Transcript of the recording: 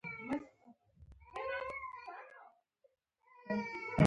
یا هم دیني باورونه یې سره جلا دي.